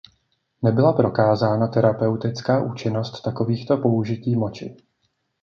Nebyla prokázána terapeutická účinnost takovýchto použití moči.